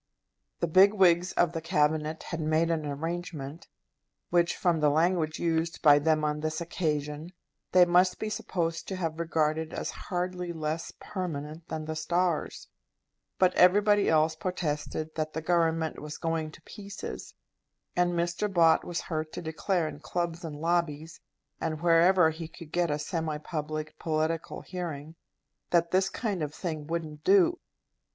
The big wigs of the Cabinet had made an arrangement which, from the language used by them on this occasion, they must be supposed to have regarded as hardly less permanent than the stars; but everybody else protested that the Government was going to pieces; and Mr. Bott was heard to declare in clubs and lobbies, and wherever he could get a semi public, political hearing, that this kind of thing wouldn't do.